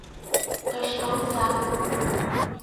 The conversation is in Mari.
— Тыш толза!